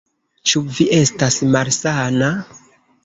Ĉu vi estas malsana?